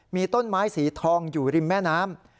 มีต้นไม้สีทองอยู่ริมแม่น้ำ